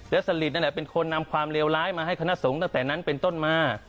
และสลิดนั่นแหละเป็นคนนำความเลวร้ายมาให้คณะสงฆ์ตั้งแต่นั้นเป็นต้นมา